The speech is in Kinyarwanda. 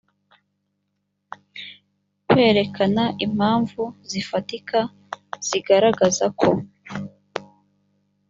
kwerekana impamvu zifatika zigaragazako